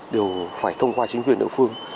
đều phải thông qua chính quyền đội phương